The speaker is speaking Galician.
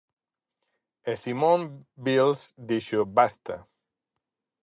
E Simone Biles dixo basta.